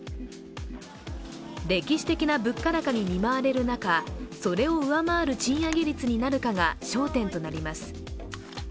歴史的な物価高に見舞われる中それを上回る賃上げ率になるかが焦点となります。